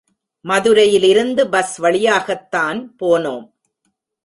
மதுரையிலிருந்து பஸ் வழியாகத்தான் போனோம்.